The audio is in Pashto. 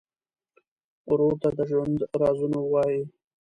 ورور ته د ژوند رازونه وایې.